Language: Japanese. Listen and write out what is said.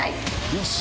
よし！